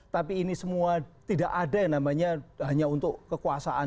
tapi ini semua tidak ada yang namanya hanya untuk kekuasaan